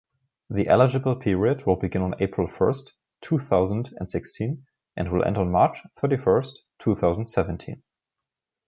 The eligible period will begin on April first, two thousand and sixteen, and will end on March thirty first, two thousand seventeen.